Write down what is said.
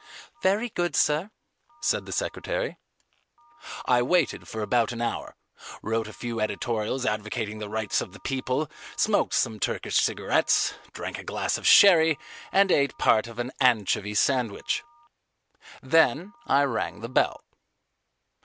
"Very good, sir," said the secretary. I waited for about an hour, wrote a few editorials advocating the rights of the people, smoked some Turkish cigarettes, drank a glass of sherry, and ate part of an anchovy sandwich. Then I rang the bell.